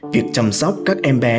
việc chăm sóc các em bé